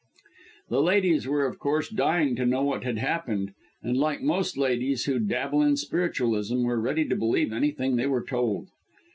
The ladies were, of course, dying to know what had happened; and like most ladies, who dabble in spiritualism, were ready to believe anything they were told.